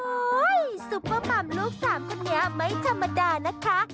ซุปเปอร์มัมลูกสามคนนี้ไม่ธรรมดานะคะ